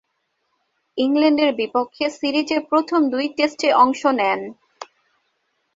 ইংল্যান্ডের বিপক্ষে সিরিজের প্রথম দুই টেস্টে অংশ নেন।